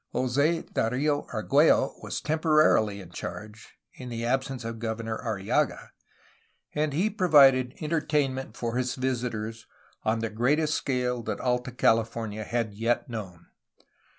Jos^ Dario Argiiello was temporarily in charge, in the absence of Governor Arrillaga, and he pro vided entertainment for his visitors on the greatest scale that Alta California had yet known.